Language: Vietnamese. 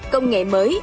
công nghệ mới